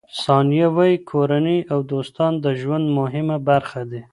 ثانیه وايي، کورنۍ او دوستان د ژوند مهمه برخه دي.